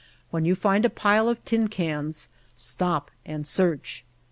When you find a pile of tin cans stop and search.